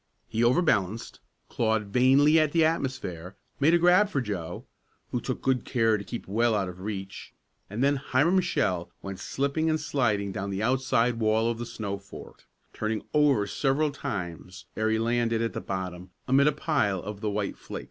He overbalanced, clawed vainly at the atmosphere, made a grab for Joe, who took good care to keep well out of reach, and then Hiram Shell went slipping and sliding down the outside wall of the snow fort, turning over several times ere he landed at the bottom, amid a pile of the white flakes.